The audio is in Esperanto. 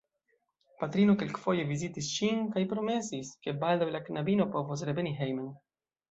Patrino kelkfoje vizitis ŝin kaj promesis, ke baldaŭ la knabino povos reveni hejmen.